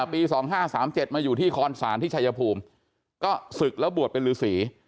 ปี๒๕๓๗มาอยู่ที่คอนศาลที่ชายภูมิก็ศึกแล้วบวชเป็นฤษี